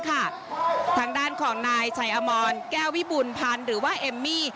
ทางด้านของนายชัยอมรแก้ววิบูรพันธ์หรือว่าเอมมี่